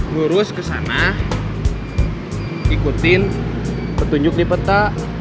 ngurus ke sana ikutin petunjuk di peta